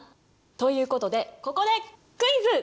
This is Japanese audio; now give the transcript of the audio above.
ということでここでクイズ！